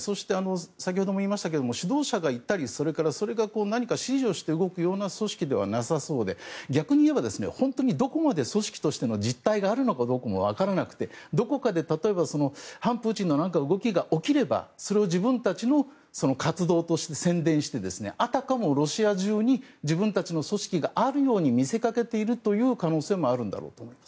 先ほども言いましたが主導者が言ったりそれから、それが何か指示をして動く組織ではなさそうで逆にいえば、どこまで組織の実態があるか分からなくてどこかで、例えば反プーチンの動きが起きればそれを自分たちの活動として宣伝してあたかもロシア中に自分たちの組織があるように見せかけている可能性もあるんだろうと。